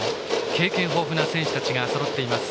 経験豊富な選手たちがそろっています